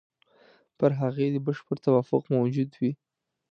پر هغې دې بشپړ توافق موجود وي.